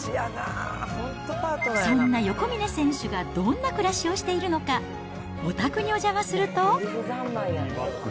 そんな横峯選手がどんな暮らしをしているのか、お宅にお邪魔すると。